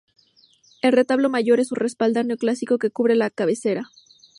El retablo mayor es un respaldar neoclásico que cubre la cabecera.